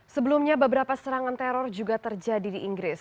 sebelumnya beberapa serangan teror juga terjadi di inggris